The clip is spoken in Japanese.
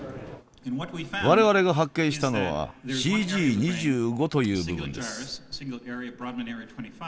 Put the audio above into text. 我々が発見したのは「Ｃｇ２５」という部分です。